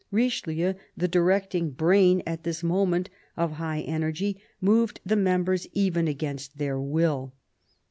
Richelieu, the directing brain, at this moment of high energy, moved the members even against their will.